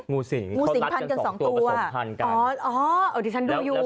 งูสิงพันกัน๒ตัวผสมพันกันข้าวด้านที่ฉันดูอยู่